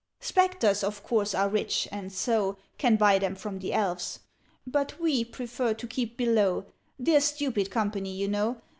"Spectres of course are rich, and so Can buy them from the Elves: But we prefer to keep below They're stupid company, you know.